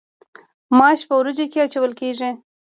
ماش په وریجو کې اچول کیږي.